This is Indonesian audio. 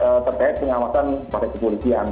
yang dibagi terkait pengawasan pada kepolisian